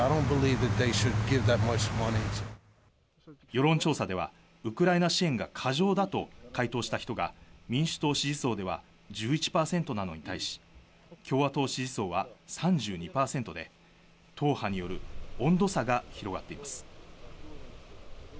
世論調査ではウクライナ支援が過剰だと回答した人が民主党支持層では１１％なのに対し、共和党支持層は３２％で、党派による温度差が広がっています。